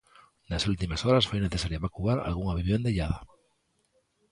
Nas últimas horas foi necesario evacuar algunha vivenda illada.